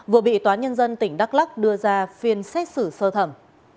vừa bị tòa nhân dân tỉnh đắk lắc đưa ra phiên xét xử sơ thẩm